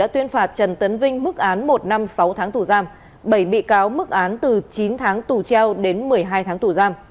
trên mức án một năm sáu tháng tù giam bảy bị cáo mức án từ chín tháng tù treo đến một mươi hai tháng tù giam